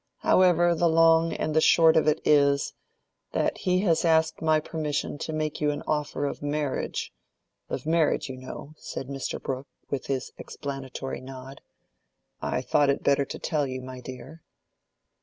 However, the long and the short of it is, that he has asked my permission to make you an offer of marriage—of marriage, you know," said Mr. Brooke, with his explanatory nod. "I thought it better to tell you, my dear."